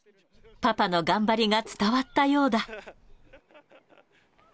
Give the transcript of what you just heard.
パパの頑張りが伝わったようだ。